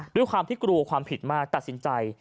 ด้วยความที่กลัวความผิดมากตัดสินใจ